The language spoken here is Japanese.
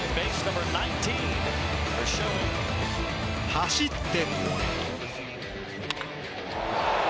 走って。